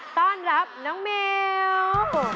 ต้อนรับน้องแมว